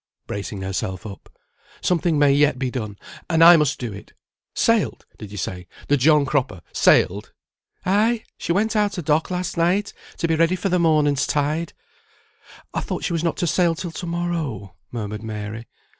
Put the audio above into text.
(bracing herself up) "something may yet be done, and I must do it. Sailed! did you say? The John Cropper? Sailed?" "Ay! she went out of dock last night, to be ready for the morning's tide." "I thought she was not to sail till to morrow," murmured Mary.